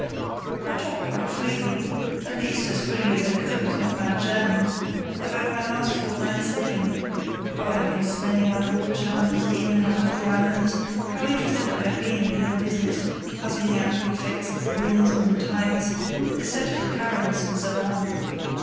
I talked quite freely—at least, as freely as I could with my bad German—about my last fortnight's sailing; how I had been smelling out all the channels in and out of the islands, how interested I had been in the whole business, puzzling out the effect of the winds on the tides, the set of the currents, and so on.